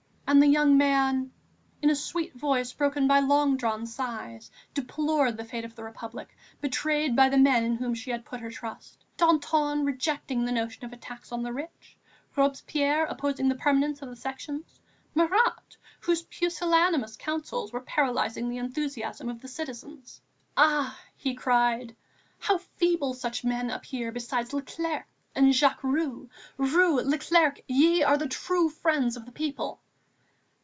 And the young man, in a sweet voice, broken by long drawn sighs, deplored the fate of the Republic, betrayed by the men in whom she had put her trust, Danton rejecting the notion of a tax on the rich, Robespierre opposing the permanence of the Sections, Marat, whose pusillanimous counsels were paralyzing the enthusiasm of the citizens. "Ah!" he cried, "how feeble such men appear beside Leclerc and Jacques Roux!... Roux! Leclerc! ye are the true friends of the people!"